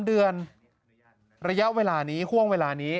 เดือนระยะเวลานี้ห่วงเวลานี้